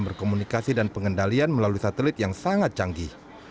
berkomunikasi dan pengendalian melalui satelit yang sangat canggih